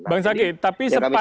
bang saky tapi sepanjang